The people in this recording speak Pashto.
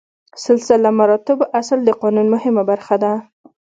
سلسله مراتبو اصل د قانون مهمه برخه ده.